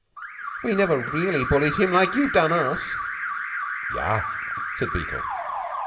"We never really bullied him like you've done us." "Yah!" said Beetle.